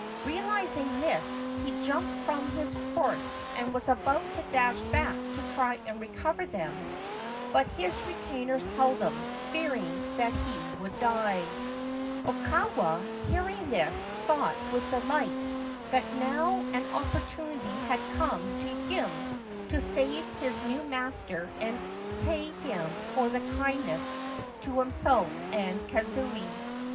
Realising this, he jumped from his horse, and was about to dash back to try and recover them ; but his retainers held him, fearing that he would die. 73 i° Ancient Tales and Folklore of Japan Okawa, hearing this, thought with delight that now an opportunity had come to him to save his new master and pay him for the kindness to himself and Kazuye.